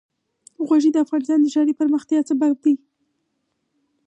غوښې د افغانستان د ښاري پراختیا سبب کېږي.